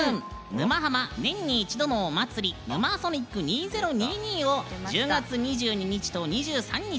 「沼ハマ」年に一度のお祭り「ヌマーソニック２０２２」を１０月２２日と２３日